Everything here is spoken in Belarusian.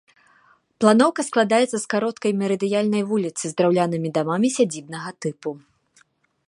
Планоўка складаецца з кароткай мерыдыянальнай вуліцы з драўлянымі дамамі сядзібнага тыпу.